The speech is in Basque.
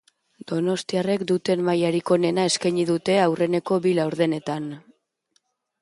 Donostiarrek duten mailarik onena eskaini dute aurreneko bi laurdenetan.